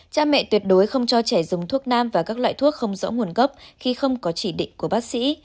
cha mẹ tuyệt đối không cho trẻ dùng thuốc nam và các loại thuốc không rõ nguồn gốc khi không có chỉ định của bác sĩ